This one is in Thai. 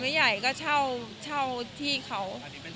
ไม่ใหญ่ไม่ใหญ่ก็เช่าที่เขา